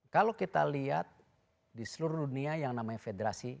kalau kita lihat di seluruh dunia yang namanya federasi